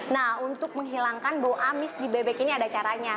nah untuk menghilangkan bau amis di bebek ini ada caranya